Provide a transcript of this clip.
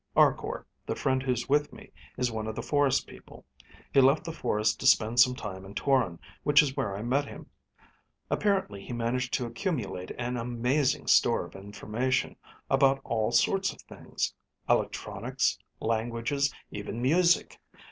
Arkor, the friend who's with me, is one of the forest people. He left the forest to spend some time in Toron, which is where I met him. Apparently he managed to accumulate an amazing store of information, about all sorts of things electronics, languages, even music.